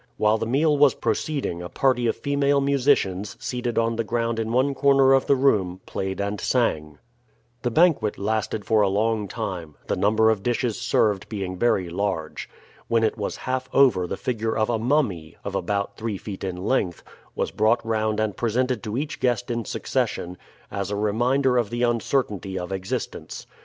While the meal was proceeding a party of female musicians, seated on the ground in one corner of the room, played and sang. The banquet lasted for a long time, the number of dishes served being very large. When it was half over the figure of a mummy, of about three feet in length, was brought round and presented to each guest in succession, as a reminder of the uncertainty of existence.